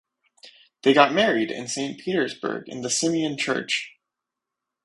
They got married in Saint Petersburg in the Simeon Church.